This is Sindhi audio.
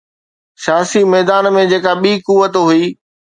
سياسي ميدان ۾ جيڪا ٻي قوت هئي.